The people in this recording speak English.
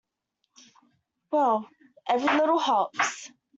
Well, every little helps.